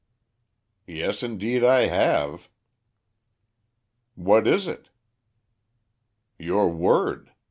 "Yes, indeed I have." "What is it?" "Your word.